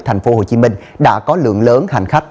tp hcm đã có lượng lớn hành khách